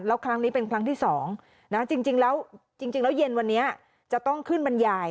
แล้วครั้งนี้เป็นครั้งที่๒จริงแล้วจริงแล้วเย็นวันนี้จะต้องขึ้นบรรยาย